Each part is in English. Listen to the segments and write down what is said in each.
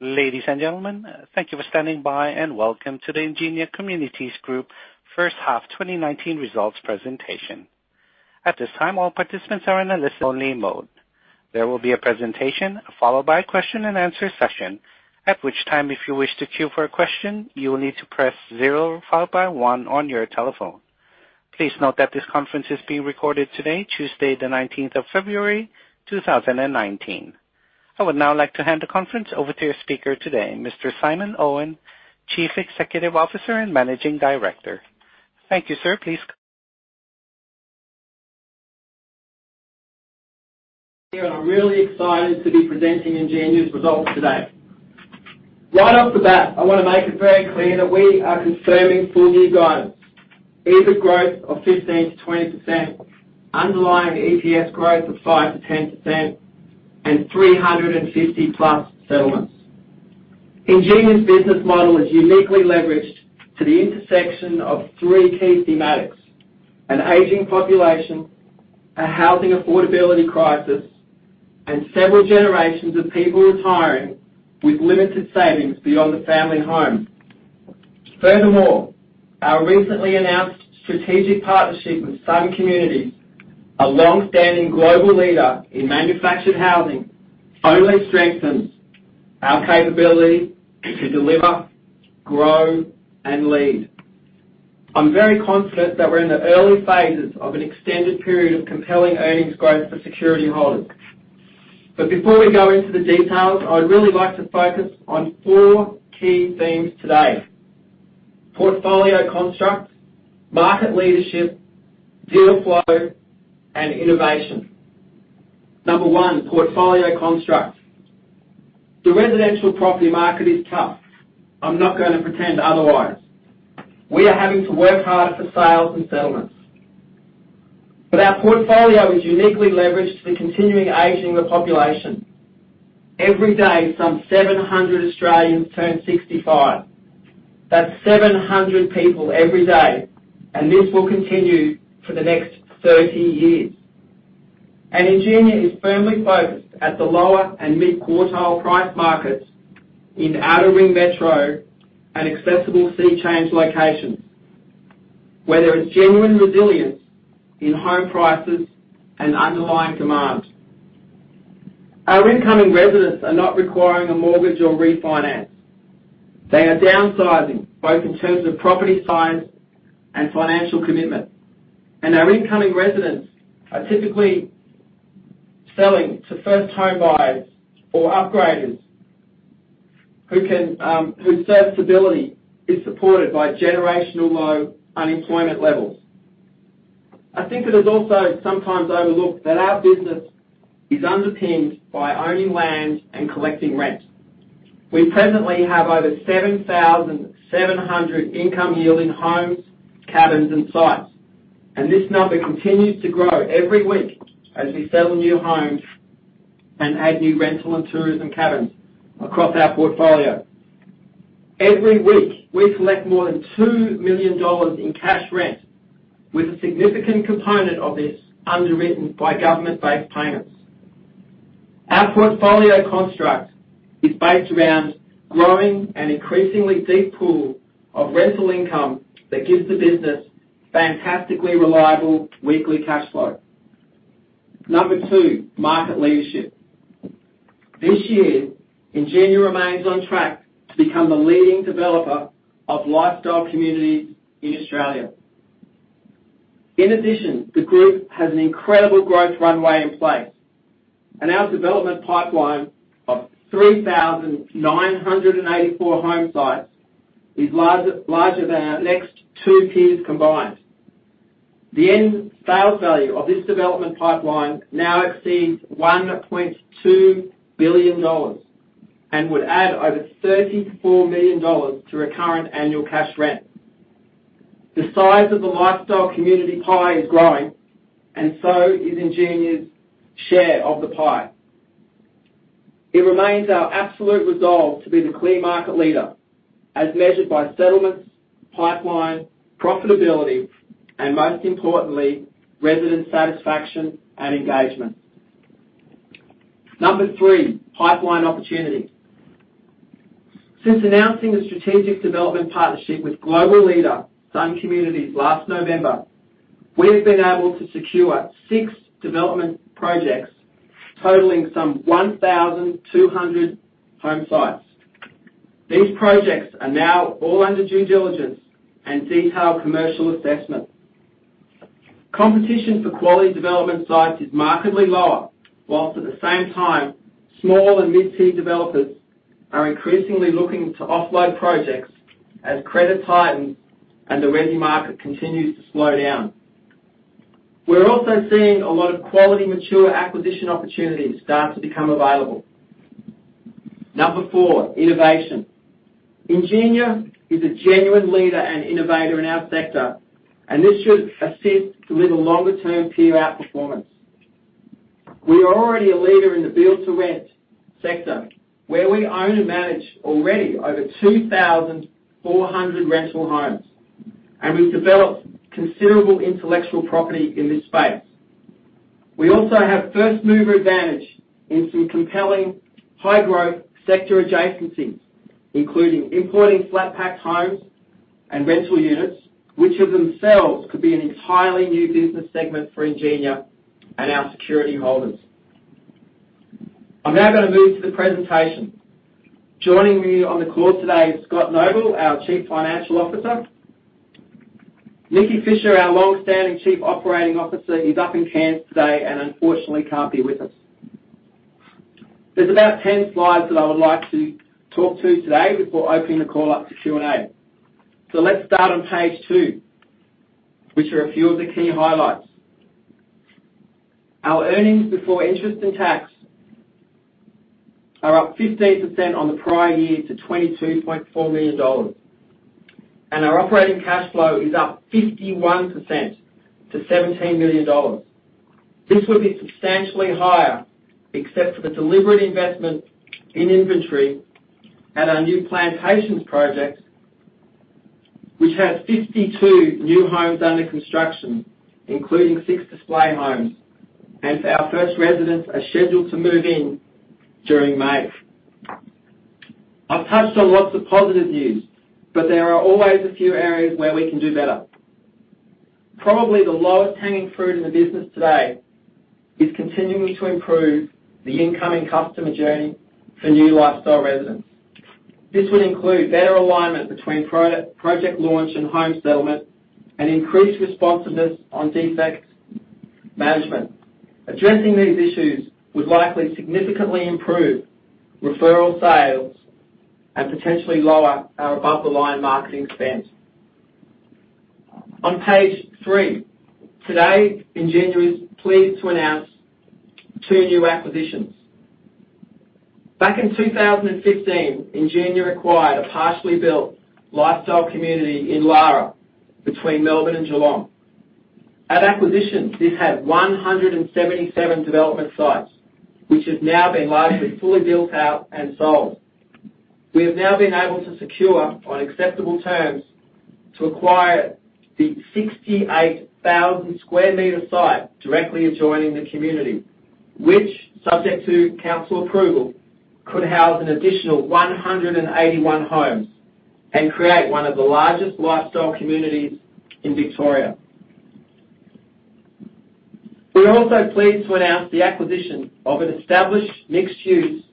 Ladies and gentlemen, thank you for standing by, welcome to the Ingenia Communities Group first-half 2019 results presentation. At this time, all participants are in a listen-only mode. There will be a presentation followed by a question and answer session, at which time, if you wish to queue for a question, you will need to press zero followed by one on your telephone. Please note that this conference is being recorded today, Tuesday the 19th of February, 2019. I would now like to hand the conference over to your speaker today, Mr. Simon Owen, Chief Executive Officer and Managing Director. Thank you, sir. Here, I'm really excited to be presenting Ingenia's results today. Right off the bat, I want to make it very clear that we are confirming full-year guidance. EBIT growth of 15%-20%, underlying EPS growth of 5%-10%, and 350-plus settlements. Ingenia's business model is uniquely leveraged to the intersection of three key thematics: an aging population, a housing affordability crisis, and several generations of people retiring with limited savings beyond the family home. Furthermore, our recently announced strategic partnership with Sun Communities, a longstanding global leader in manufactured housing, only strengthens our capability to deliver, grow, and lead. I'm very confident that we're in the early phases of an extended period of compelling earnings growth for security holders. Before we go into the details, I would really like to focus on four key themes today: portfolio construct, market leadership, deal flow, and innovation. Number one, portfolio construct. The residential property market is tough. I'm not going to pretend otherwise. We are having to work harder for sales and settlements. Our portfolio is uniquely leveraged to the continuing aging of the population. Every day, some 700 Australians turn 65. That's 700 people every day, this will continue for the next 30 years. Ingenia is firmly focused at the lower and mid-quartile price markets in outer ring metro and accessible sea-change locations, where there is genuine resilience in home prices and underlying demand. Our incoming residents are not requiring a mortgage or refinance. They are downsizing, both in terms of property size and financial commitment. Our incoming residents are typically selling to first-home buyers or upgraders whose stability is supported by generational low unemployment levels. I think it is also sometimes overlooked that our business is underpinned by owning land and collecting rent. We presently have over 7,700 income-yielding homes, cabins, and sites, and this number continues to grow every week as we sell new homes and add new rental and tourism cabins across our portfolio. Every week, we collect more than 2 million dollars in cash rent, with a significant component of this underwritten by government-based payments. Our portfolio construct is based around growing an increasingly deep pool of rental income that gives the business fantastically reliable weekly cash flow. Number two, market leadership. This year, Ingenia remains on track to become the leading developer of lifestyle communities in Australia. In addition, the group has an incredible growth runway in place, and our development pipeline of 3,984 home sites is larger than our next two peers combined. The end sales value of this development pipeline now exceeds 1.2 billion dollars and would add over 34 million dollars to recurrent annual cash rent. The size of the lifestyle community pie is growing, and so is Ingenia's share of the pie. It remains our absolute resolve to be the clear market leader, as measured by settlements, pipeline, profitability, and most importantly, resident satisfaction and engagement. Number three, pipeline opportunity. Since announcing the strategic development partnership with global leader Sun Communities last November, we have been able to secure six development projects totaling some 1,200 home sites. These projects are now all under due diligence and detailed commercial assessment. Competition for quality development sites is markedly lower, whilst at the same time, small and mid-tier developers are increasingly looking to offload projects as credit tightens and the resi market continues to slow down. We're also seeing a lot of quality mature acquisition opportunities start to become available. Number four, innovation. Ingenia is a genuine leader and innovator in our sector, and this should assist to deliver longer-term peer outperformance. We are already a leader in the build-to-rent sector, where we own and manage already over 2,400 rental homes. We've developed considerable intellectual property in this space. We also have first-mover advantage in some compelling high-growth sector adjacencies, including importing flat-pack homes and rental units, which of themselves could be an entirely new business segment for Ingenia and our security holders. I'm now going to move to the presentation. Joining me on the call today is Scott Noble, our Chief Financial Officer. Nikki Fisher, our longstanding Chief Operating Officer, is up in Cairns today and unfortunately, can't be with us. There's about 10 slides that I would like to talk to today before opening the call up to Q&A. Let's start on page two, which are a few of the key highlights. Our EBIT are up 15% on the prior year to 22.4 million dollars, and our operating cash flow is up 51% to 17 million dollars. This would be substantially higher except for the deliberate investment in inventory at our new Plantations project, which has 52 new homes under construction, including six display homes, and our first residents are scheduled to move in during May. I've touched on lots of positive news, but there are always a few areas where we can do better. Probably the lowest hanging fruit in the business today is continuing to improve the incoming customer journey for new lifestyle residents. This would include better alignment between project launch and home settlement, and increased responsiveness on defects management. Addressing these issues would likely significantly improve referral sales and potentially lower our above-the-line marketing spend. On page three, today, Ingenia is pleased to announce two new acquisitions. Back in 2015, Ingenia acquired a partially built lifestyle community in Lara between Melbourne and Geelong. At acquisition, this had 177 development sites, which have now been largely fully built out and sold. We have now been able to secure, on acceptable terms, to acquire the 68,000 sq m site directly adjoining the community, which, subject to council approval, could house an additional 181 homes and create one of the largest lifestyle communities in Victoria. We are also pleased to announce the acquisition of an established mixed-use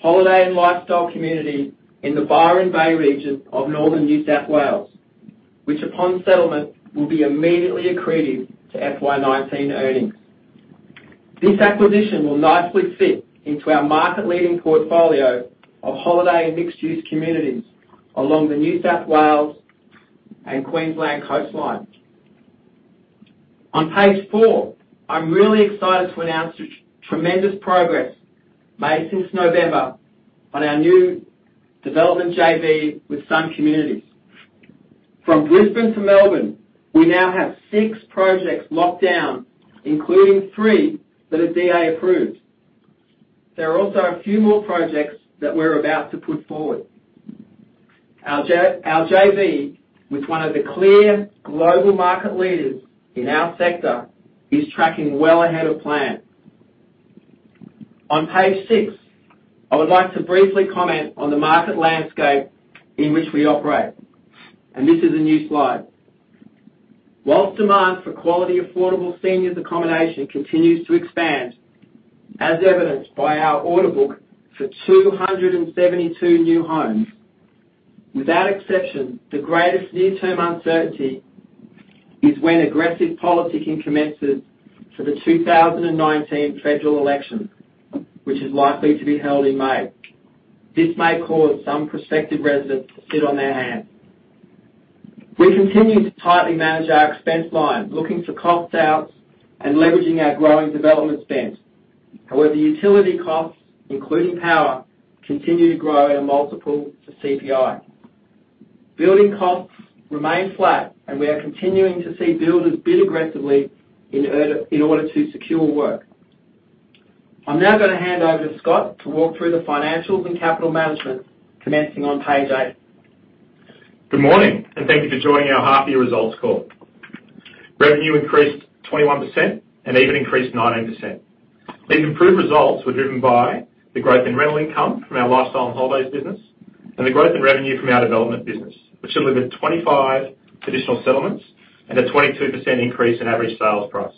holiday and lifestyle community in the Byron Bay region of Northern New South Wales, which upon settlement, will be immediately accretive to FY 2019 earnings. This acquisition will nicely fit into our market-leading portfolio of holiday and mixed-use communities along the New South Wales and Queensland coastline. On Page four, I'm really excited to announce the tremendous progress made since November on our new development JV with Sun Communities. From Brisbane to Melbourne, we now have six projects locked down, including three that are DA approved. There are also a few more projects that we're about to put forward. Our JV with one of the clear global market leaders in our sector, is tracking well ahead of plan. On Page six, I would like to briefly comment on the market landscape in which we operate, and this is a new slide. Whilst demand for quality, affordable seniors accommodation continues to expand, as evidenced by our order book for 272 new homes, without exception, the greatest near-term uncertainty is when aggressive politicking commences for the 2019 federal election, which is likely to be held in May. This may cause some prospective residents to sit on their hands. We continue to tightly manage our expense line, looking for cost outs and leveraging our growing development spend. However, utility costs, including power, continue to grow at a multiple to CPI. Building comps remain flat, and we are continuing to see builders bid aggressively in order to secure work. I'm now going to hand over to Scott to walk through the financials and capital management, commencing on Page eight. Good morning. Thank you for joining our half-year results call. Revenue increased 21% and EBIT increased 19%. These improved results were driven by the growth in rental income from our lifestyle and holidays business and the growth in revenue from our development business, which delivered 25 traditional settlements and a 22% increase in average sales price.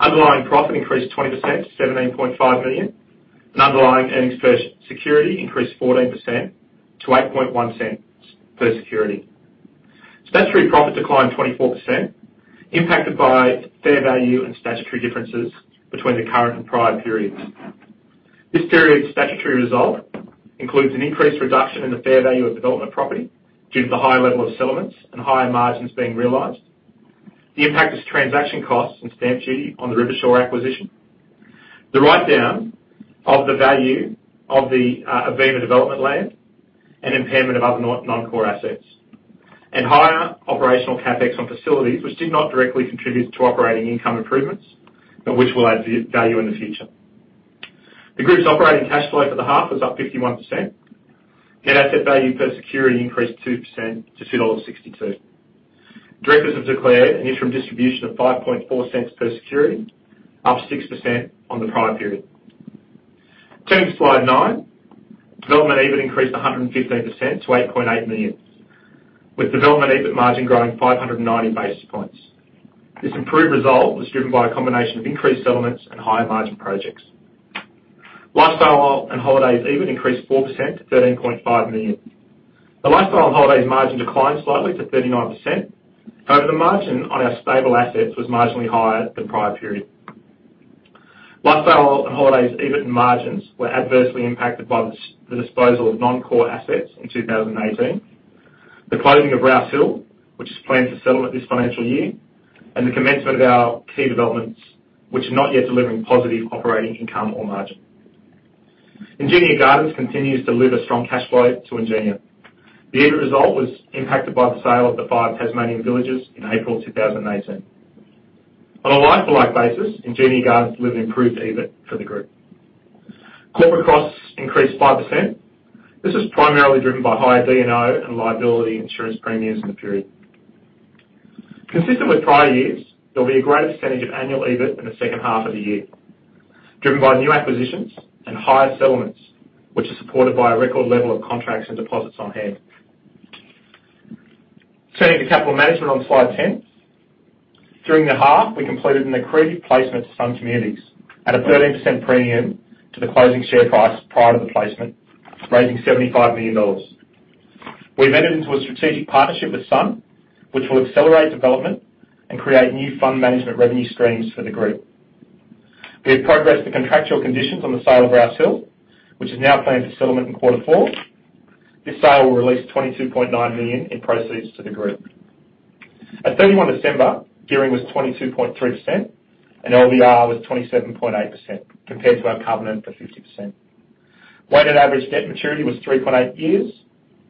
Underlying profit increased 20% to 17.5 million, and underlying earnings per security increased 14% to 0.0810 per security. Statutory profit declined 24%, impacted by fair value and statutory differences between the current and prior periods. This period's statutory result includes an increased reduction in the fair value of development property due to the higher level of settlements and higher margins being realized. The impact is transaction costs and stamp duty on the Rivershore acquisition, the write-down of the value of the Avina development land, and impairment of other non-core assets. Higher operational CapEx on facilities which did not directly contribute to operating income improvements, but which will add value in the future. The group's operating cash flow for the half was up 51%. Net asset value per security increased 2% to 2.62 dollars. Directors have declared an interim distribution of 0.054 per security, up 6% on the prior period. Turning to slide nine. Development EBIT increased 115% to 8.8 million, with development EBIT margin growing 590 basis points. This improved result was driven by a combination of increased settlements and higher margin projects. Lifestyle and holidays EBIT increased 4% to 13.5 million. The lifestyle and holidays margin declined slightly to 39%. However, the margin on our stable assets was marginally higher than prior period. Lifestyle and holidays EBIT and margins were adversely impacted by the disposal of non-core assets in 2018. The closing of Rouse Hill, which is planned for settlement this financial year, and the commencement of our key developments, which are not yet delivering positive operating income or margin. Ingenia Gardens continues to deliver strong cash flow to Ingenia. The EBIT result was impacted by the sale of the 5 Tasmanian villages in April 2018. On a like-for-like basis, Ingenia Gardens delivered improved EBIT for the group. Corporate costs increased 5%. This was primarily driven by higher D&O and liability insurance premiums in the period. Consistent with prior years, there'll be a greater percentage of annual EBIT in the second half of the year, driven by new acquisitions and higher settlements, which are supported by a record level of contracts and deposits on hand. Turning to capital management on slide 10. During the half, we completed an accretive placement to Sun Communities at a 13% premium to the closing share price prior to the placement, raising 75 million dollars. We've entered into a strategic partnership with Sun, which will accelerate development and create new fund management revenue streams for the group. We have progressed the contractual conditions on the sale of Rouse Hill, which is now planned for settlement in quarter four. This sale will release 22.9 million in proceeds to the group. At 31 December, gearing was 22.3% and LVR was 27.8% compared to our covenant for 50%. Weighted average debt maturity was 3.8 years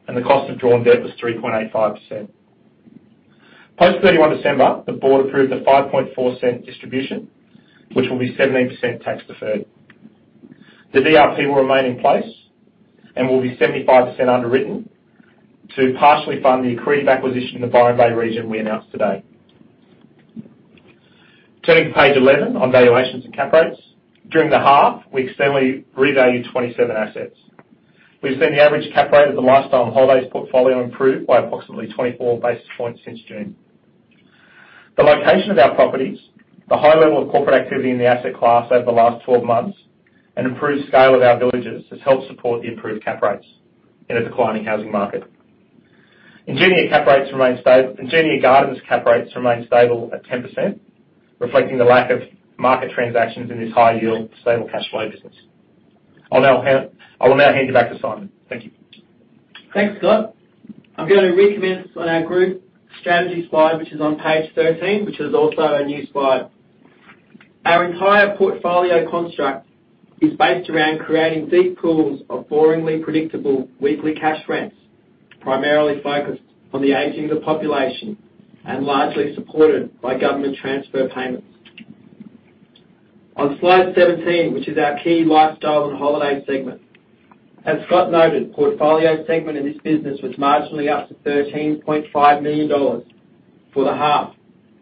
and the cost of drawn debt was 3.85%. Post 31 December, the board approved the 0.054 distribution, which will be 17% tax-deferred. The DRP will remain in place and will be 75% underwritten to partially fund the accretive acquisition in the Byron Bay region we announced today. Turning to page 11 on valuations and cap rates. During the half, we externally revalued 27 assets. We've seen the average cap rate of the lifestyle and holidays portfolio improve by approximately 24 basis points since June. The location of our properties, the high level of corporate activity in the asset class over the last 12 months, and improved scale of our villages has helped support the improved cap rates in a declining housing market. Ingenia Gardens cap rates remain stable at 10%, reflecting the lack of market transactions in this high yield, stable cash flow business. I will now hand you back to Simon. Thank you. Thanks, Scott. I'm going to recommence on our group strategy slide, which is on page 13, which is also a new slide. Our entire portfolio construct is based around creating deep pools of boringly predictable weekly cash rents, primarily focused on the aging of the population and largely supported by government transfer payments. On slide 17, which is our key lifestyle and holiday segment. As Scott noted, portfolio segment in this business was marginally up to 13.5 million dollars for the half.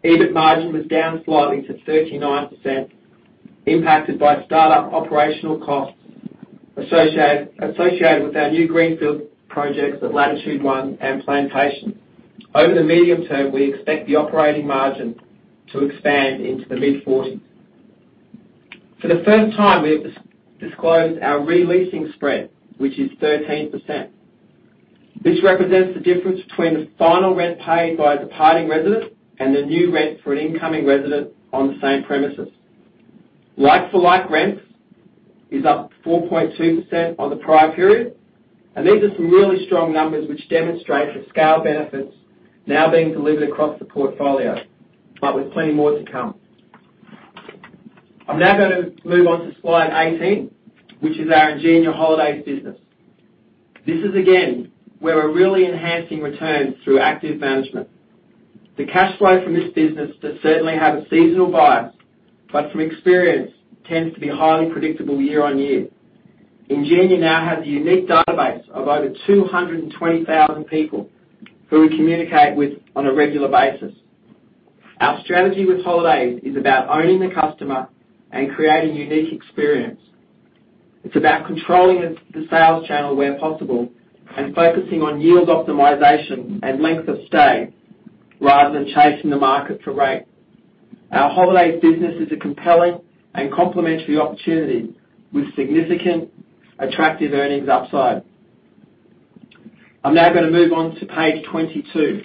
EBIT margin was down slightly to 39%, impacted by start-up operational costs associated with our new greenfield projects at Latitude One and Plantations. Over the medium term, we expect the operating margin to expand into the mid-forties. For the first time, we have disclosed our re-leasing spread, which is 13%. This represents the difference between the final rent paid by a departing resident and the new rent for an incoming resident on the same premises. Like-for-like rents is up 4.2% on the prior period. These are some really strong numbers which demonstrate the scale benefits now being delivered across the portfolio, but with plenty more to come. I'm now going to move on to slide 18, which is our Ingenia Holidays business. This is again, where we're really enhancing returns through active management. The cash flow from this business does certainly have a seasonal bias, but from experience, tends to be highly predictable year on year. Ingenia now has a unique database of over 220,000 people who we communicate with on a regular basis. Our strategy with holidays is about owning the customer and creating unique experience. It's about controlling the sales channel where possible and focusing on yield optimization and length of stay rather than chasing the market for rate. Our holidays business is a compelling and complementary opportunity with significant attractive earnings upside. I'm now going to move on to page 22,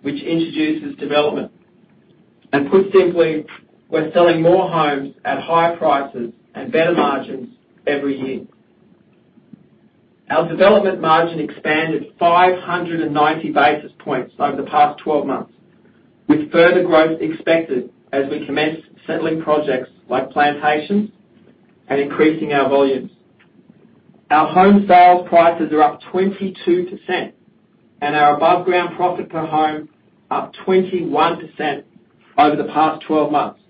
which introduces development. Put simply, we're selling more homes at higher prices and better margins every year. Our development margin expanded 590 basis points over the past 12 months, with further growth expected as we commence settling projects like Plantations and increasing our volume. Our home sales prices are up 22%, and our above-ground profit per home up 21% over the past 12 months.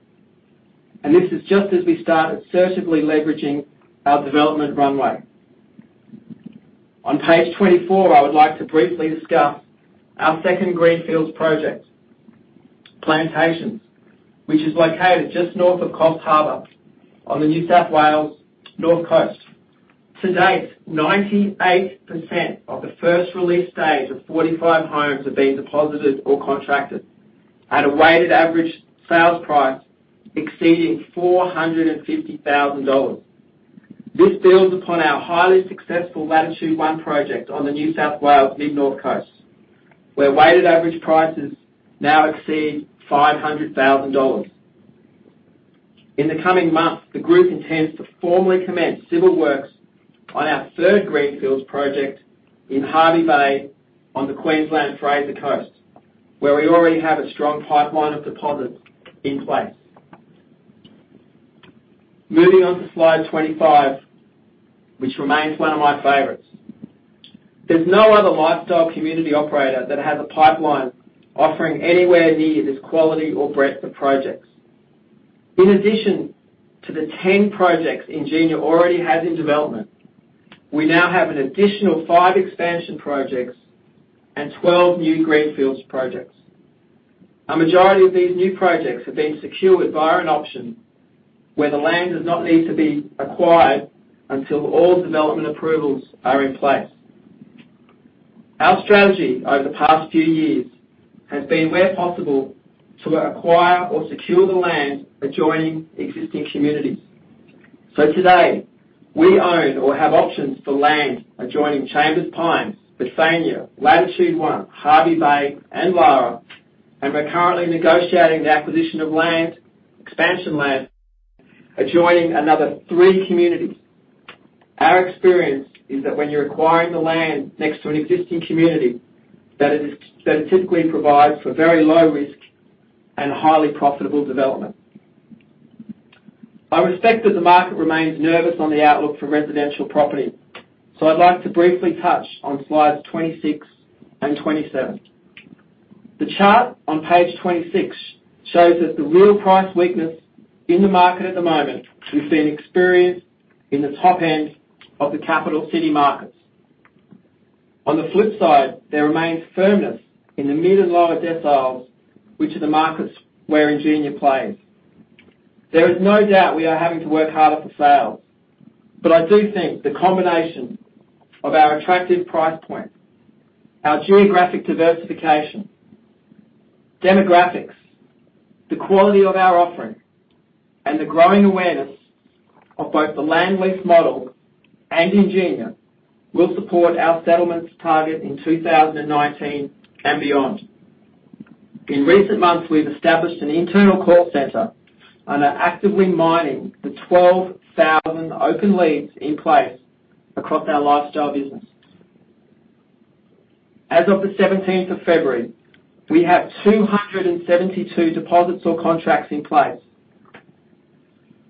This is just as we started assertively leveraging our development runway. On page 24, I would like to briefly discuss our second greenfields project, Plantations, which is located just north of Coffs Harbour on the New South Wales North Coast. To date, 98% of the first release stage of 45 homes have been deposited or contracted at a weighted average sales price exceeding 450,000 dollars. This builds upon our highly successful Latitude One project on the New South Wales Mid-North Coast, where weighted average prices now exceed 500,000 dollars. In the coming months, the group intends to formally commence civil works on our third greenfields project in Hervey Bay on the Queensland Fraser Coast, where we already have a strong pipeline of deposits in place. Moving on to slide 25, which remains one of my favorites. There's no other lifestyle community operator that has a pipeline offering anywhere near this quality or breadth of projects. In addition to the 10 projects Ingenia already has in development, we now have an additional five expansion projects and 12 new greenfields projects. A majority of these new projects have been secured via an option where the land does not need to be acquired until all development approvals are in place. Our strategy over the past few years has been, where possible, to acquire or secure the land adjoining existing communities. Today, we own or have options for land adjoining Chambers Pines, Bethania, Latitude One, Hervey Bay, and Lara. We're currently negotiating the acquisition of expansion land adjoining another three communities. Our experience is that when you're acquiring the land next to an existing community, that it typically provides for very low risk and highly profitable development. I respect that the market remains nervous on the outlook for residential property. I'd like to briefly touch on slides 26 and 27. The chart on page 26 shows that the real price weakness in the market at the moment we've seen experienced in the top end of the capital city markets. On the flip side, there remains firmness in the mid and lower deciles, which are the markets where Ingenia plays. There is no doubt we are having to work harder for sales, but I do think the combination of our attractive price point, our geographic diversification, demographics, the quality of our offering, and the growing awareness of both the land lease model and Ingenia will support our settlements target in 2019 and beyond. In recent months, we've established an internal call center and are actively mining the 12,000 open leads in place across our lifestyle business. As of the 17th of February, we have 272 deposits or contracts in place,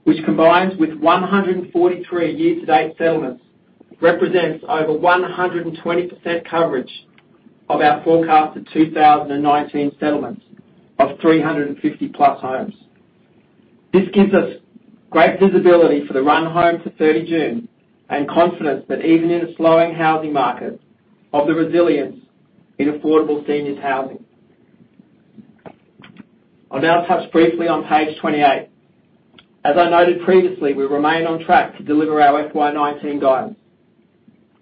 which, combined with 143 year-to-date settlements, represents over 120% coverage of our forecasted 2019 settlements of 350-plus homes. This gives us great visibility for the run home to 30 June and confidence that even in a slowing housing market, of the resilience in affordable seniors housing. I'll now touch briefly on page 28. As I noted previously, we remain on track to deliver our FY 2019 guidance.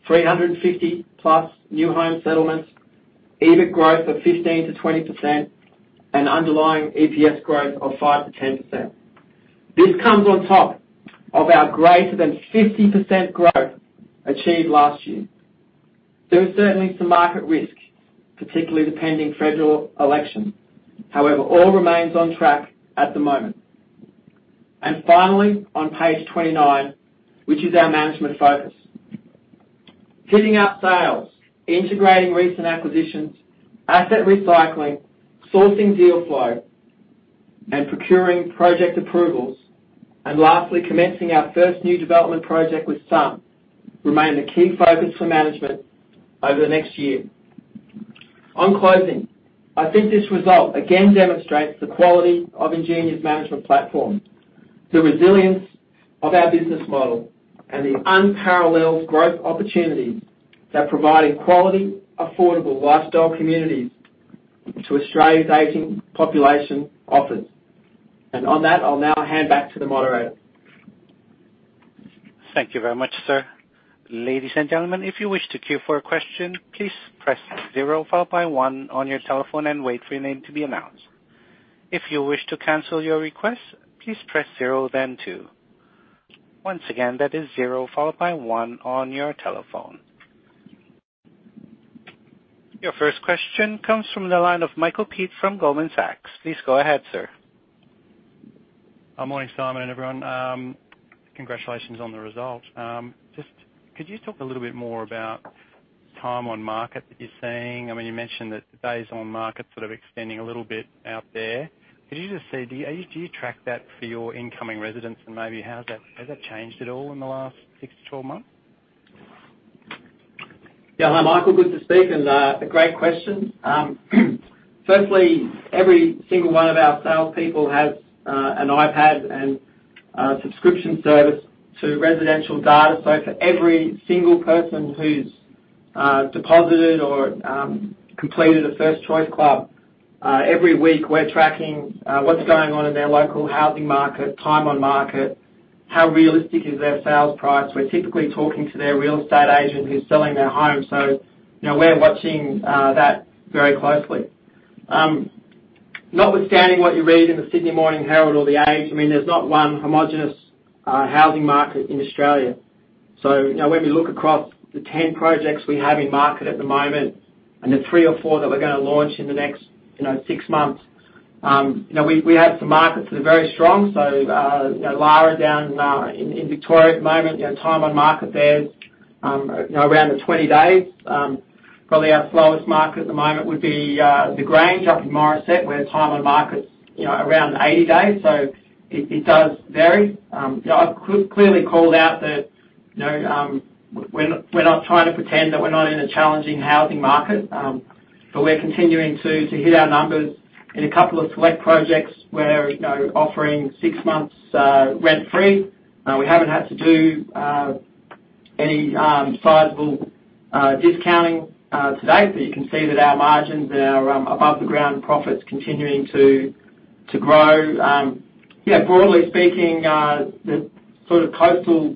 350-plus new home settlements, EBIT growth of 15%-20%, and underlying EPS growth of 5%-10%. This comes on top of our greater than 50% growth achieved last year. There is certainly some market risk, particularly the pending federal election. However, all remains on track at the moment. Finally, on page 29, which is our management focus. Picking up sales, integrating recent acquisitions, asset recycling, sourcing deal flow, and procuring project approvals, and lastly, commencing our first new development project with Sun remain a key focus for management over the next year. On closing, I think this result again demonstrates the quality of Ingenia's management platform, the resilience of our business model, and the unparalleled growth opportunities that providing quality, affordable lifestyle communities to Australia's aging population offers. On that, I'll now hand back to the moderator. Thank you very much, sir. Ladies and gentlemen, if you wish to queue for a question, please press zero followed by one on your telephone and wait for your name to be announced. If you wish to cancel your request, please press zero, then two. Once again, that is zero followed by one on your telephone. Your first question comes from the line of Michael Peet from Goldman Sachs. Please go ahead, sir. Good morning, Simon, everyone. Congratulations on the result. Could you talk a little bit more about time on market that you're seeing. You mentioned that days on market sort of extending a little bit out there. Could you say, do you track that for your incoming residents and maybe has that changed at all in the last 6 to 12 months? Hi, Michael. Good to speak, and a great question. Firstly, every single one of our salespeople has an iPad and a subscription service to residential data. For every single person who's deposited or completed a First Choice Club, every week we're tracking what's going on in their local housing market, time on market, how realistic is their sales price. We're typically talking to their real estate agent who's selling their home. We're watching that very closely. Notwithstanding what you read in The Sydney Morning Herald or The Age, there's not one homogenous housing market in Australia. When we look across the 10 projects we have in-market at the moment and the 3 or 4 that we're going to launch in the next 6 months, we have some markets that are very strong. Lara down in Victoria at the moment, time on market there is around the 20 days. Probably our slowest market at the moment would be The Grange up in Morisset, where time on market's around 80 days, so it does vary. I've clearly called out that we're not trying to pretend that we're not in a challenging housing market. We're continuing to hit our numbers in a couple of select projects where offering 6 months rent-free. We haven't had to do any sizable discounting to date, but you can see that our margins and our above the ground profits continuing to grow. Broadly speaking, the coastal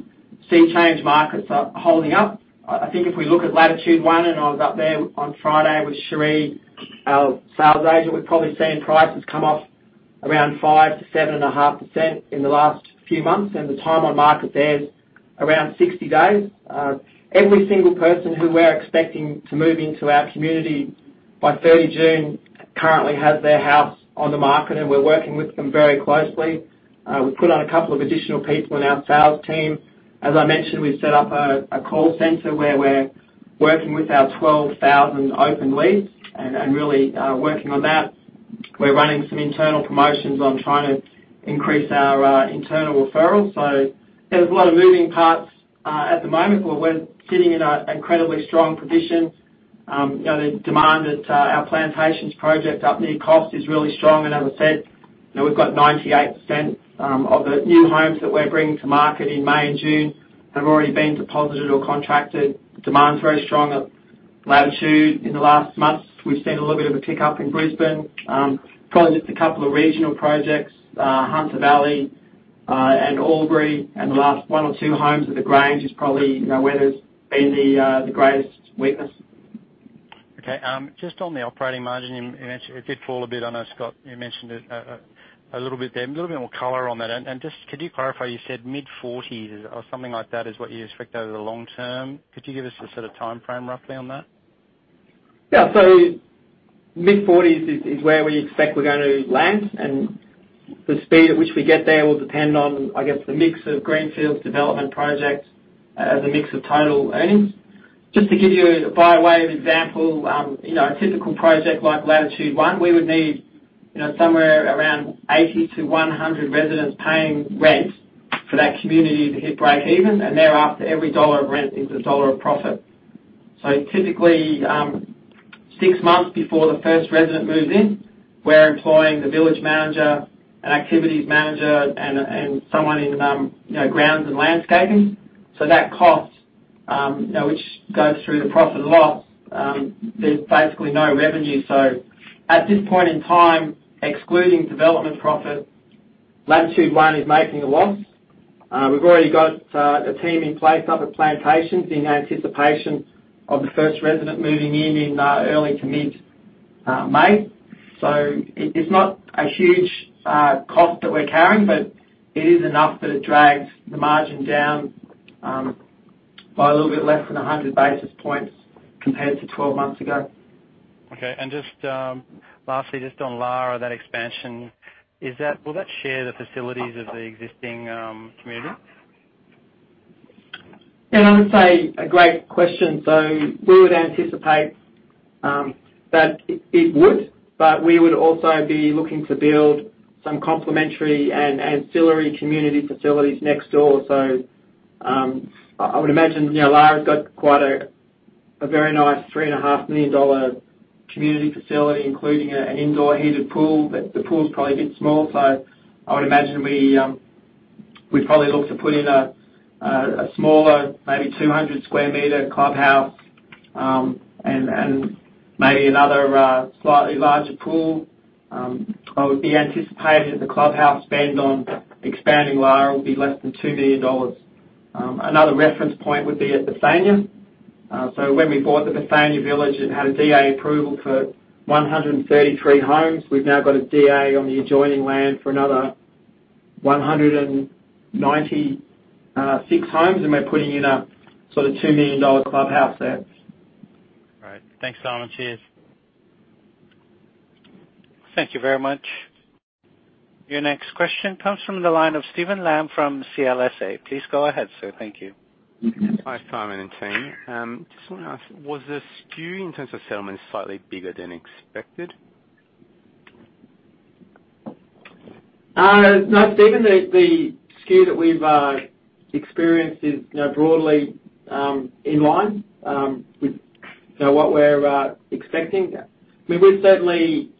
sea change markets are holding up. I think if we look at Latitude One, and I was up there on Friday with Sheree, our sales agent, we've probably seen prices come off around 5%-7.5% in the last few months, and the time on market there is around 60 days. Every single person who we're expecting to move into our community by 30 June currently has their house on the market, and we're working with them very closely. We put on a couple of additional people in our sales team. As I mentioned, we've set up a call center where we're working with our 12,000 open leads and really working on that. We're running some internal promotions on trying to increase our internal referrals. There's a lot of moving parts at the moment, but we're sitting in an incredibly strong position. The demand at our Plantations project up near Coffs is really strong. As I said, we've got 98% of the new homes that we're bringing to market in May and June have already been deposited or contracted. Demand's very strong at Latitude in the last month. We've seen a little bit of a pickup in Brisbane. Probably just a couple of regional projects, Hunter Valley, and Albury, and the last one or two homes at The Grange is probably where there's been the greatest weakness. Okay. Just on the operating margin, it did fall a bit. I know, Scott, you mentioned it a little bit there. A little bit more color on that, and just could you clarify, you said mid-40s or something like that is what you expect over the long term. Could you give us a sort of timeframe roughly on that? Yeah. Mid-40s is where we expect we're going to land, and the speed at which we get there will depend on, I guess, the mix of greenfields development projects as a mix of total earnings. Just to give you by way of example, a typical project like Latitude One, we would need somewhere around 80 to 100 residents paying rent for that community to hit breakeven, and thereafter, every dollar of rent is a dollar of profit. Typically, six months before the first resident moves in, we're employing the village manager, an activities manager, and someone in grounds and landscaping. That cost, which goes through the profit and loss, there's basically no revenue. At this point in time, excluding development profit, Latitude One is making a loss. We've already got a team in place up at Plantations in anticipation of the first resident moving in in early to mid-May. It is not a huge cost that we're carrying, but it is enough that it drags the margin down by a little bit less than 100 basis points compared to 12 months ago. Okay. Just lastly, just on Lara, that expansion, will that share the facilities of the existing community? Yeah, I would say a great question. We would anticipate that it would, we would also be looking to build some complementary and ancillary community facilities next door. I would imagine, Lara's got a very nice 3.5 million dollar community facility, including an indoor heated pool, the pool's probably a bit small. I would imagine we'd probably look to put in a smaller, maybe 200 sq m clubhouse, and maybe another slightly larger pool. I would be anticipating that the clubhouse spend on expanding Lara will be less than 2 million dollars. Another reference point would be at Bethania. When we bought the Bethania Village, it had a DA approval for 133 homes. We've now got a DA on the adjoining land for another 196 homes, and we're putting in a sort of 2 million dollar clubhouse there. All right. Thanks, Simon. Cheers. Thank you very much. Your next question comes from the line of Steven Lam from CLSA. Please go ahead, sir. Thank you. Hi, Simon and team. Just want to ask, was the skew in terms of settlements slightly bigger than expected? No, Steven, the skew that we have experienced is broadly in line with what we are expecting. We are certainly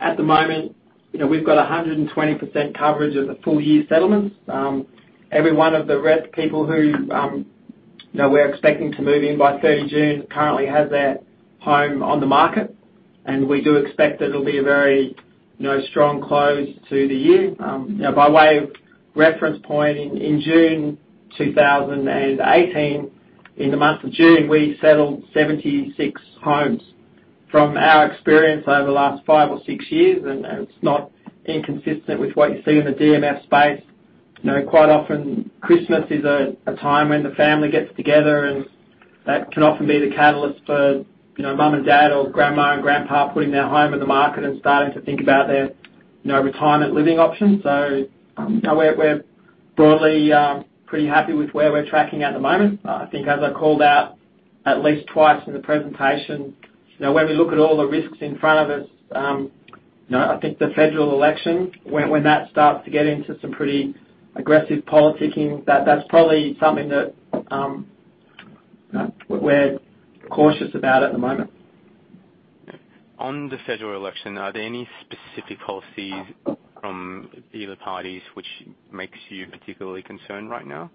at the moment, we have got 120% coverage of the full year settlements. Every one of the rest people who we are expecting to move in by 30 June currently has their home on the market, and we do expect that it will be a very strong close to the year. By way of reference point, in June 2018, in the month of June, we settled 76 homes. From our experience over the last five or six years, and it is not inconsistent with what you see in the DMF space, quite often Christmas is a time when the family gets together, and that can often be the catalyst for mom and dad or grandma and grandpa putting their home on the market and starting to think about their retirement living options. We are broadly pretty happy with where we are tracking at the moment. I think as I called out at least twice in the presentation, when we look at all the risks in front of us, I think the federal election, when that starts to get into some pretty aggressive politicking, that is probably something that we are cautious about at the moment. On the federal election, are there any specific policies from either parties which makes you particularly concerned right now?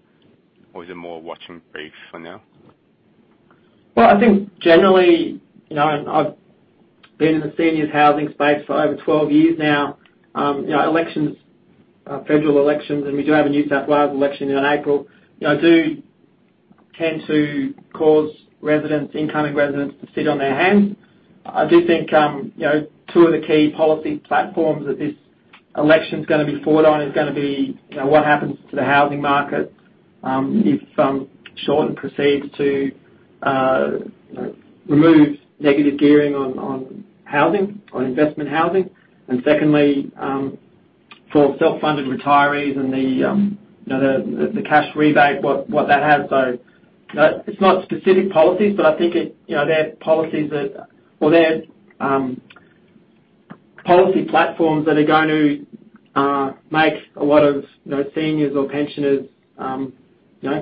Is it more watch and brief for now? Well, I think generally, and I've been in the seniors housing space for over 12 years now. Elections, federal elections, and we do have a New South Wales election in April, do tend to cause residents, incoming residents, to sit on their hands. I do think, two of the key policy platforms that this election is going to be fought on is going to be what happens to the housing market, if Shorten proceeds to remove negative gearing on housing, on investment housing. Secondly, for self-funded retirees and the cash rebate, what that has. It's not specific policies, but I think they're policy platforms that are going to make a lot of seniors or pensioners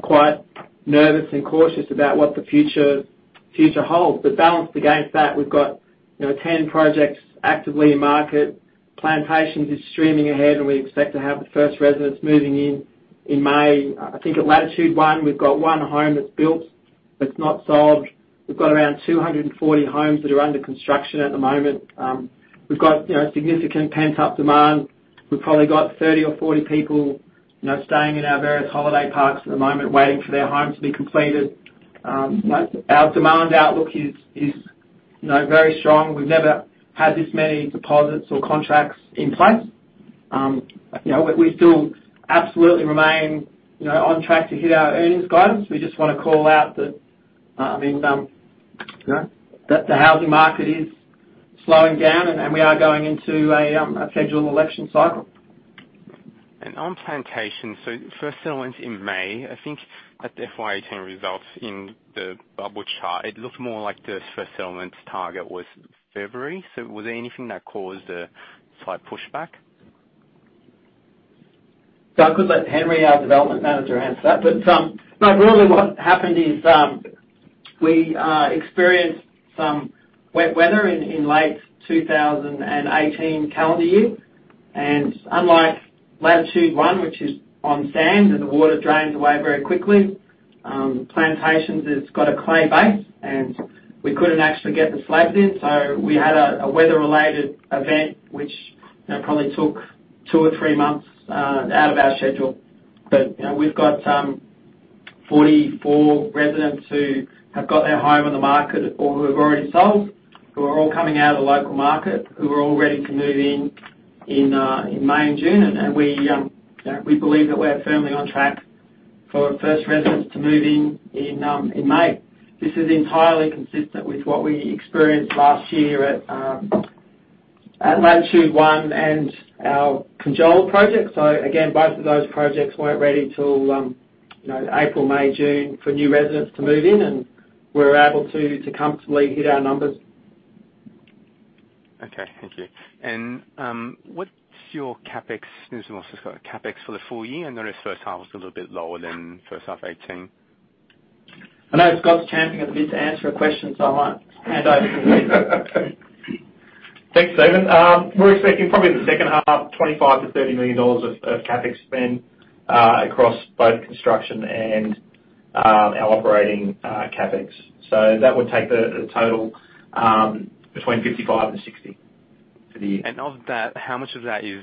quite nervous and cautious about what the future holds. Balanced against that, we've got 10 projects actively in market. Plantations is streaming ahead. We expect to have the first residents moving in in May. I think at Latitude One, we've got one home that's built that's not sold. We've got around 240 homes that are under construction at the moment. We've got significant pent-up demand. We've probably got 30 or 40 people staying in our various holiday parks at the moment, waiting for their home to be completed. Our demand outlook is very strong. We've never had this many deposits or contracts in place. We still absolutely remain on track to hit our earnings guidance. We just want to call out that the housing market is slowing down and we are going into a federal election cycle. On Plantations, first settlement is in May. I think at the FY 2018 results in the bubble chart, it looked more like the first settlement target was February. Was there anything that caused a slight pushback? I could let Henry, our development manager, answer that. Really what happened is we experienced some wet weather in late 2018 calendar year. Unlike Latitude One, which is on sand and the water drains away very quickly, Plantations has got a clay base and we couldn't actually get the slabs in. We had a weather related event which probably took two or three months out of our schedule. We've got 44 residents who have got their home on the market or who have already sold, who are all coming out of the local market, who are all ready to move in in May and June. We believe that we are firmly on track for first residents to move in in May. This is entirely consistent with what we experienced last year at Latitude One and our Conjola project. Again, both of those projects weren't ready till April, May, June for new residents to move in and we were able to comfortably hit our numbers. Okay, thank you. What's your CapEx for the full year? I notice first half was a little bit lower than first half 18. I know Scott's champing at the bit to answer a question, I might hand over to him. Okay. Thanks, Steven. We're expecting probably the second half, 25 million-30 million dollars of CapEx spend across both construction and our operating CapEx. That would take the total between 55 million and 60 million for the year. Of that, how much of that is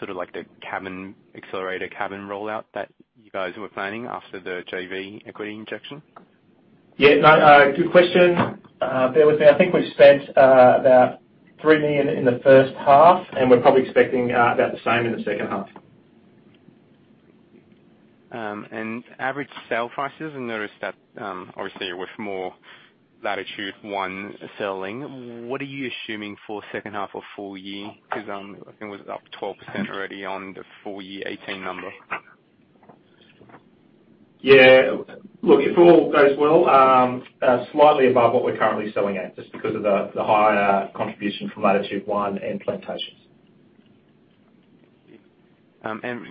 the cabin accelerator, cabin rollout that you guys were planning after the JV equity injection? Yeah. Good question. Bear with me. I think we've spent about 3 million in the first half, and we're probably expecting about the same in the second half. Average sale prices, I noticed that obviously with more Latitude One selling, what are you assuming for second half or full year? Because I think it was up 12% already on the full year 2018 number. Yeah. Look, if all goes well, slightly above what we're currently selling at, just because of the higher contribution from Latitude One and Plantations.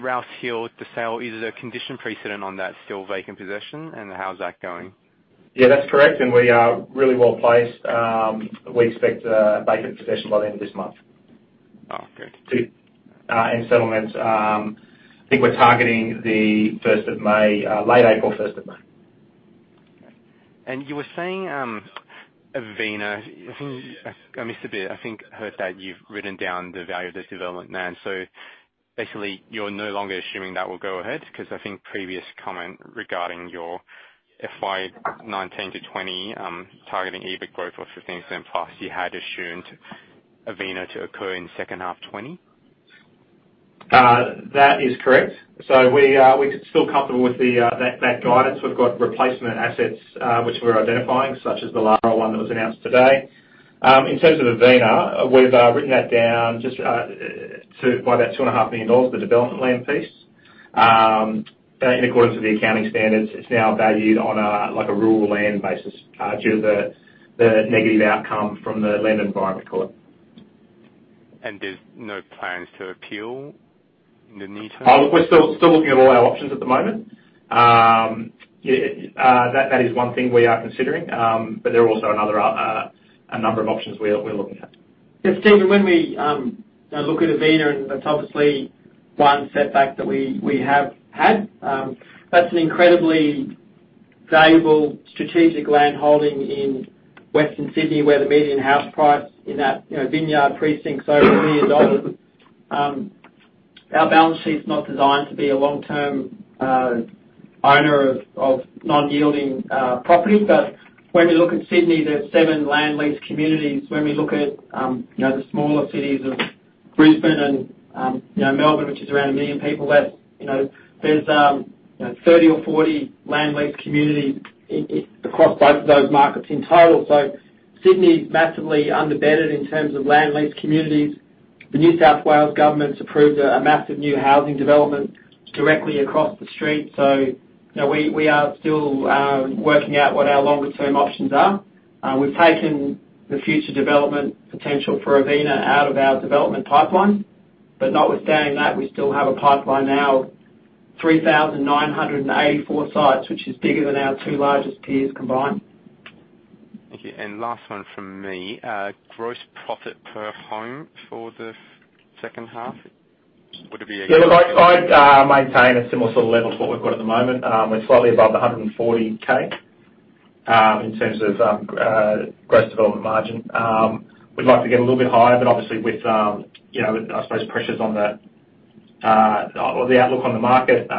Rouse Hill, the sale, is it a condition precedent on that sale vacant possession? How's that going? Yeah, that's correct. We are really well-placed. We expect a vacant possession by the end of this month. Oh, okay. Settlements, I think we're targeting the 1st of May, late April, 1st of May. You were saying Avina, I think I missed a bit. I heard that you've written down the value of this development now. Basically you're no longer assuming that will go ahead because I think previous comment regarding your FY 2019 to FY 2020, targeting EBIT growth of 15% plus, you had assumed Avina to occur in second half 2020. That is correct. We're still comfortable with that guidance. We've got replacement assets, which we're identifying, such as the Lara one that was announced today. In terms of Avina, we've written that down just by about 2.5 million dollars, the development land piece. In accordance with the accounting standards, it's now valued on a rural land basis due to the negative outcome from the Land and Environment Court. There's no plans to appeal in the near term? We're still looking at all our options at the moment. That is one thing we are considering. There are also a number of options we're looking at. Stephen, when we look at Avina, that's obviously one setback that we have had. That's an incredibly valuable strategic land holding in Western Sydney where the median house price in that Vineyard precinct is over 1 million dollars. Our balance sheet is not designed to be a long-term owner of non-yielding property. When we look at Sydney, there's seven land lease communities. When we look at the smaller cities of Brisbane and Melbourne, which is around 1 million people, there's 30 or 40 land lease communities across both of those markets in total. Sydney's massively under-bedded in terms of land lease communities. The New South Wales government's approved a massive new housing development directly across the street. We are still working out what our longer-term options are. We've taken the future development potential for Avina out of our development pipeline. Notwithstanding that, we still have a pipeline now of 3,984 sites, which is bigger than our two largest peers combined. Thank you. Last one from me. Gross profit per home for the second half. Would it be? I'd maintain a similar sort of level to what we've got at the moment. We're slightly above the 140K, in terms of gross development margin. We'd like to get a little bit higher, obviously with, I suppose pressures on the outlook on the market,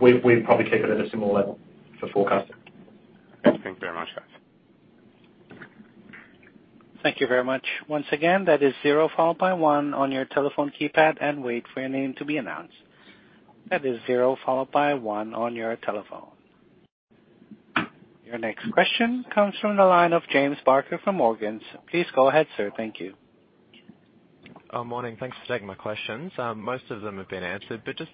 we'd probably keep it at a similar level for forecasting. Thank you very much, guys. Thank you very much. Once again, that is zero followed by one on your telephone keypad, and wait for your name to be announced. That is zero followed by one on your telephone. Your next question comes from the line of James Barker from Morgans. Please go ahead, sir. Thank you. Morning. Thanks for taking my questions. Most of them have been answered, just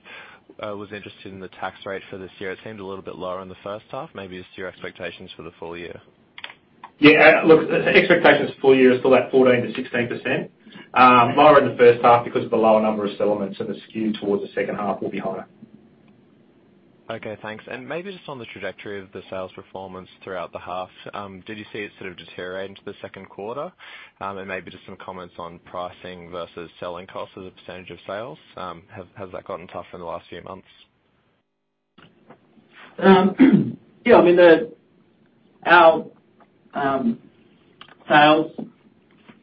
was interested in the tax rate for this year. It seemed a little bit lower in the first half. Maybe just your expectations for the full year. Yeah. Look, expectations for full year is still at 14%-16%. Lower in the first half because of the lower number of settlements and the skew towards the second half will be higher. Okay, thanks. Maybe just on the trajectory of the sales performance throughout the half, did you see it sort of deteriorate into the second quarter? Maybe just some comments on pricing versus selling cost as a % of sales. Has that gotten tougher in the last few months? Yeah. Our sales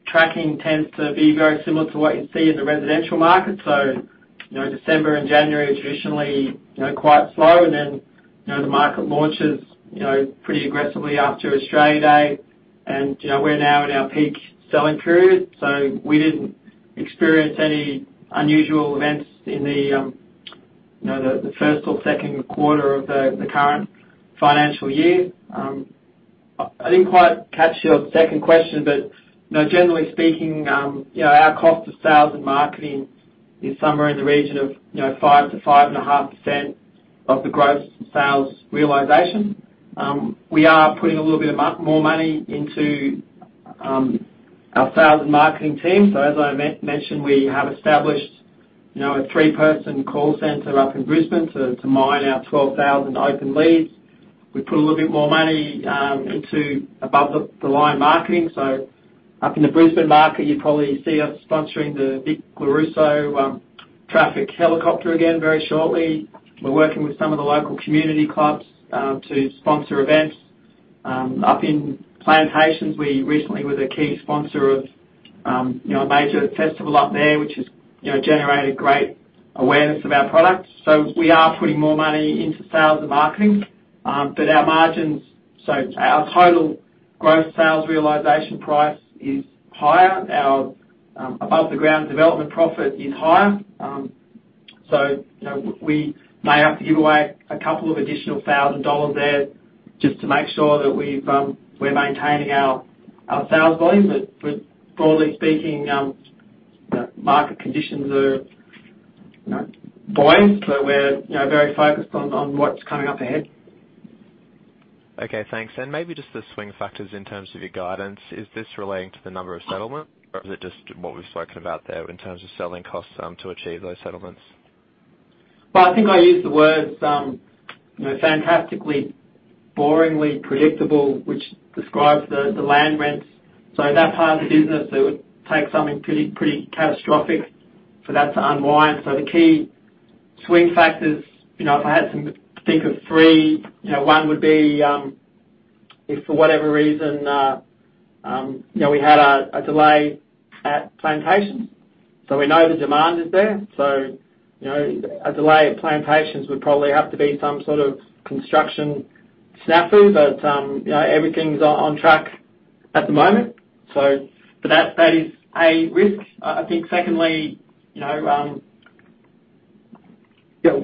tracking tends to be very similar to what you see in the residential market. December and January are traditionally quite slow and then the market launches pretty aggressively after Australia Day. We're now in our peak selling period. We didn't experience any unusual events in the first or second quarter of the current financial year. I didn't quite catch your second question, but generally speaking our cost of sales and marketing is somewhere in the region of 5%-5.5% of the gross sales realization. We are putting a little bit more money into our sales and marketing team. As I mentioned, we have established a three-person call center up in Brisbane to mine our 12,000 open leads. We put a little bit more money into above-the-line marketing. Up in the Brisbane market, you probably see us sponsoring the Vic Lorusso traffic helicopter again very shortly. We're working with some of the local community clubs to sponsor events. Up in Plantations, we recently were the key sponsor of a major festival up there, which has generated great awareness of our products. We are putting more money into sales and marketing. Our margins, so our total gross sales realization price is higher. Our above the ground development profit is higher. We may have to give away a couple of additional 1,000 dollars there just to make sure that we're maintaining our sales volume. Broadly speaking, market conditions are buoyant. We're very focused on what's coming up ahead. Okay, thanks. Maybe just the swing factors in terms of your guidance. Is this relating to the number of settlements, or is it just what we've spoken about there in terms of selling costs to achieve those settlements? I think I used the words, fantastically, boringly predictable, which describes the land rents. That part of the business, it would take something pretty catastrophic for that to unwind. The key swing factors, if I had to think of three, one would be, if for whatever reason, we had a delay at Plantations. We know the demand is there. A delay at Plantations would probably have to be some sort of construction snafu. Everything's on track at the moment. That is a risk. I think secondly,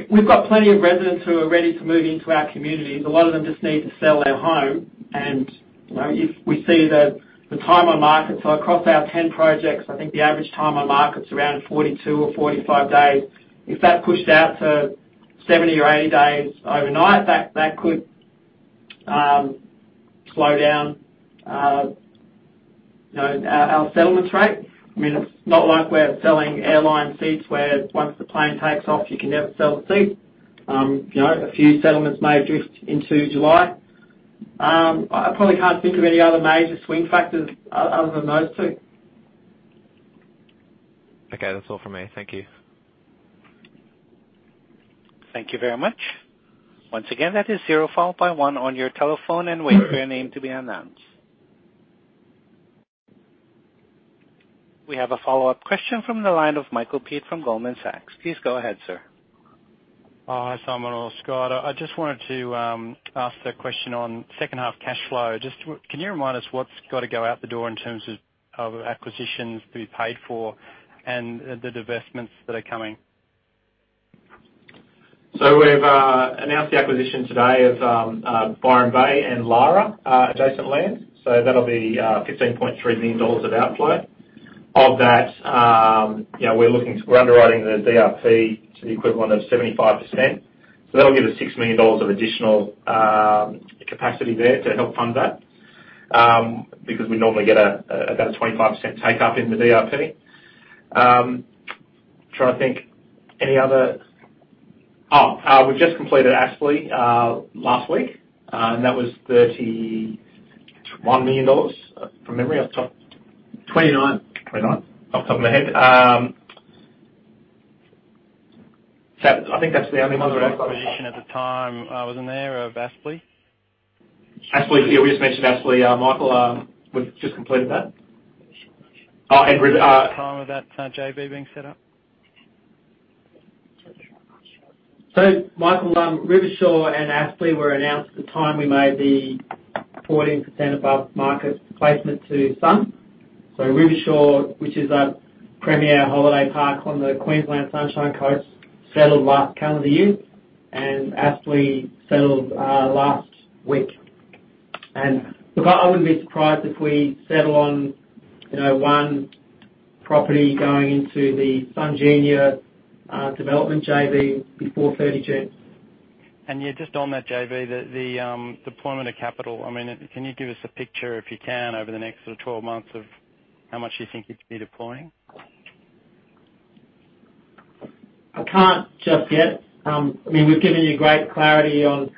we've got plenty of residents who are ready to move into our communities. A lot of them just need to sell their home. If we see the time on market, across our 10 projects, I think the average time on market is around 42 or 45 days. If that pushed out to 70 or 80 days overnight, that could slow down our settlements rate. It's not like we're selling airline seats where once the plane takes off, you can never sell the seat. A few settlements may drift into July. I probably can't think of any other major swing factors other than those two. That's all from me. Thank you. Thank you very much. Once again, that is zero followed by one on your telephone and wait for your name to be announced. We have a follow-up question from the line of Michael Peet from Goldman Sachs. Please go ahead, sir. Hi, Simon or Scott. Can you remind us what's got to go out the door in terms of acquisitions to be paid for and the divestments that are coming? We've announced the acquisition today of Byron Bay and Lara adjacent land. That'll be 15.3 million dollars of outflow. Of that, we're underwriting the DRP to the equivalent of 75%. That'll give us 6 million dollars of additional capacity there to help fund that, because we normally get about a 25% take-up in the DRP. We've just completed Aspley, last week. That was 31 million dollars from memory off the top- Twenty-nine. 29, off the top of my head. I think that's the only other acquisition- There was another acquisition at the time, wasn't there, of Aspley? Aspley, yeah, we just mentioned Aspley, Michael. We've just completed that. At the time of that JV being set up. Michael, Rivershore and Aspley were announced at the time we made the 14% above-market placement to Sun. Rivershore, which is a premier holiday park on the Queensland Sunshine Coast, settled last calendar year, and Aspley settled last week. Look, I wouldn't be surprised if we settle on one property going into the Sun Ingenia development JV before 30 June. Yeah, just on that JV, the deployment of capital. Can you give us a picture, if you can, over the next sort of 12 months of how much you think you'd be deploying? I can't just yet. We've given you great clarity on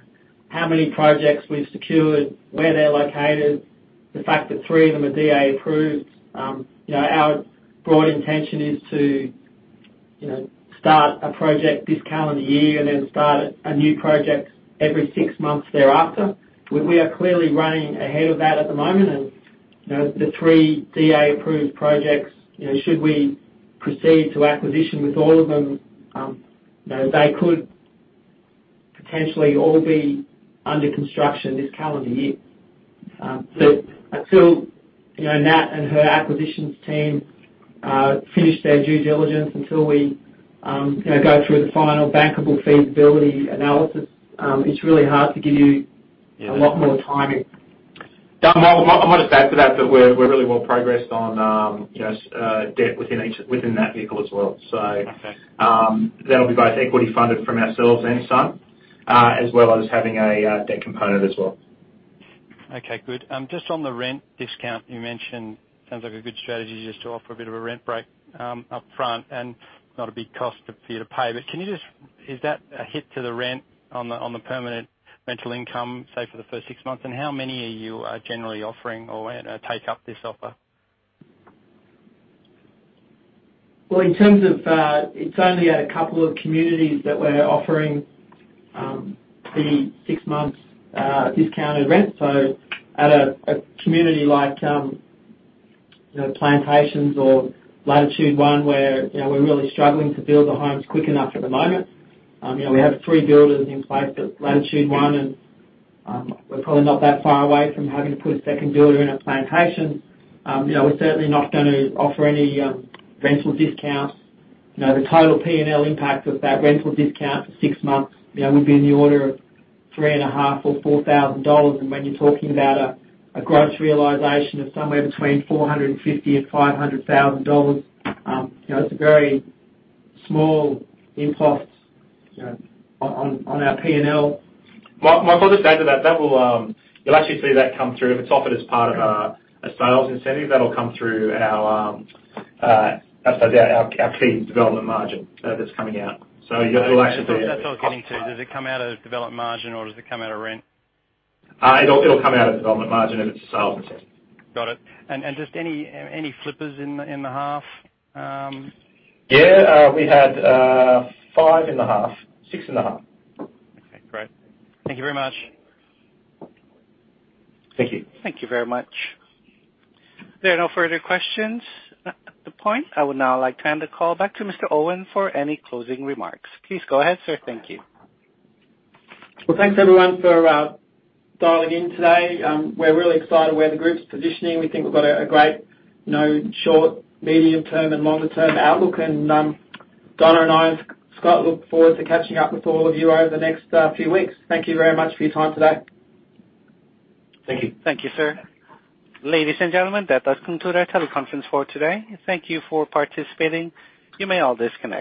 how many projects we've secured, where they're located, the fact that three of them are DA approved. Our broad intention is to start a project this calendar year and then start a new project every six months thereafter. We are clearly running ahead of that at the moment, the three DA-approved projects, should we proceed to acquisition with all of them, they could potentially all be under construction this calendar year. Until Nat and her acquisitions team finish their due diligence, until we go through the final bankable feasibility analysis, it's really hard to give you a lot more timing. I might just add to that we're really well progressed on debt within that vehicle as well. Okay. That'll be both equity funded from ourselves and Sun, as well as having a debt component as well. Okay, good. Just on the rent discount you mentioned, sounds like a good strategy just to offer a bit of a rent break upfront and not a big cost for you to pay. Is that a hit to the rent on the permanent rental income, say for the first six months? How many are you generally offering or take up this offer? It's only at a couple of communities that we're offering the six months discounted rent. At a community like Plantations or Latitude One, where we're really struggling to build the homes quick enough at the moment. We have three builders in place at Latitude One, and we're probably not that far away from having to put a second builder in at Plantations. We're certainly not going to offer any rental discounts. The total P&L impact of that rental discount for six months would be in the order of three and a half thousand AUD or 4,000 dollars. When you're talking about a gross realization of somewhere between 450,000 and 500,000 dollars, it's a very small impact on our P&L. Michael, just to add to that, you'll actually see that come through. If it's offered as part of a sales incentive, that'll come through our fee development margin that's coming out. You'll actually see it- That's what I was getting to. Does it come out of developed margin or does it come out of rent? It'll come out of development margin if it's a sales incentive. Got it. Just any flippers in the half? Yeah, we had five in the half. Six in the half. Okay, great. Thank you very much. Thank you. Thank you very much. If there are no further questions at the point, I would now like to hand the call back to Mr. Owen for any closing remarks. Please go ahead, sir. Thank you. Well, thanks everyone for dialing in today. We're really excited where the group's positioning. We think we've got a great short, medium term, and longer term outlook. Donna and I and Scott look forward to catching up with all of you over the next few weeks. Thank you very much for your time today. Thank you. Thank you, sir. Ladies and gentlemen, that does conclude our teleconference for today. Thank you for participating. You may all disconnect.